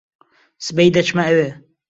سبەی دەچمە ئەوێ.